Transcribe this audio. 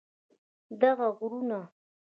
دغه غرونه